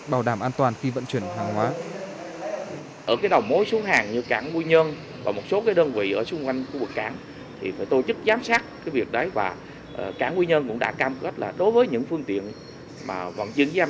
bảo đảm an toàn khi vận chuyển hàng hóa